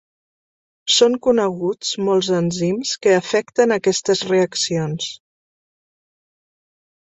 Són coneguts molts enzims que afecten aquestes reaccions.